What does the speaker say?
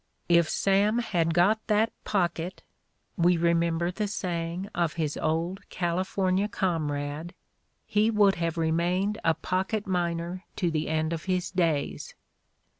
"If Sam had got that pocket" — we remember the saying of his old California comrade — "he would have remained a pocket miner to the end of his days."